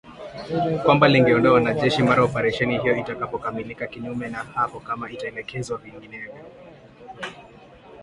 Kwamba lingeondoa wanajeshi mara operesheni hiyo itakapokamilika kinyume na hapo kama itaelekezwa vinginevyo.